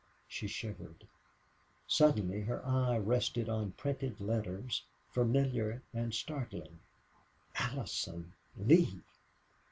She shivered. Suddenly her eye rested on printed letters, familiar and startling. Allison Lee!